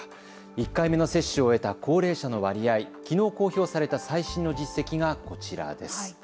１回目の接種を終えた高齢者の割合、きのう公表された最新の実績がこちらです。